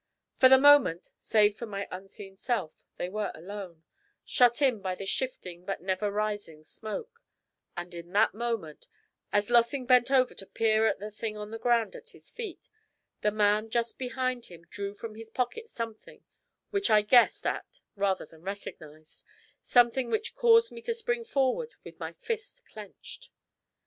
For the moment, save for my unseen self, they were alone, shut in by the shifting but never rising smoke, and in that moment, as Lossing bent over to peer at the thing on the ground at his feet, the man just behind him drew from his pocket something which I guessed at rather than recognised, something which caused me to spring forward with my fist clenched.